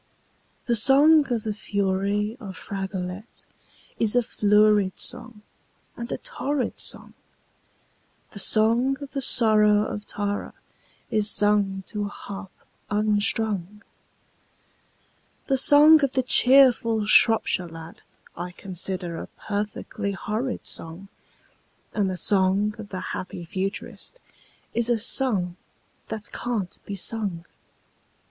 The song of the fury of Fragolette is a florid song and a torrid song, The song of the sorrow of Tara is sung to a harp unstrung, The song of the cheerful Shropshire Lad I consider a perfectly horrid song, And the song of the happy Futurist is a song that can't be sung.